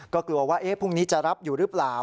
ก็กลัวว่าพรุ่งนี้จะรับอยู่หรือเปล่า